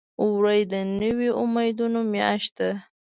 وری د نوي امیدونو میاشت ده.